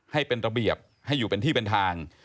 ให้เป็นระเบียบให้อยู่เป็นที่เป็นทาง